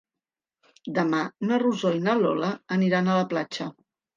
Demà na Rosó i na Lola aniran a la platja.